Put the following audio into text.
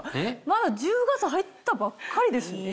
まだ１０月入ったばっかりですよ。